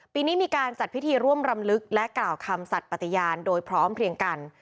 มีการจัดพิธีร่วมรำลึกและกล่าวคำสัตว์ปฏิญาณโดยพร้อมเพลียงกัน